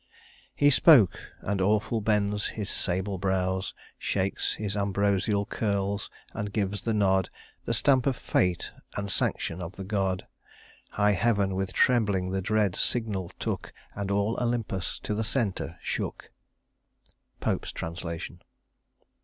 He spoke, and awful bends his sable brows, Shakes his ambrosial curls, and gives the nod, The stamp of fate and sanction of the god; High heaven with trembling the dread signal took, And all Olympus to the center shook." POPE'S TRANSLATION.